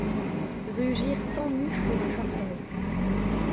Rugirent cent mufles de forcenés.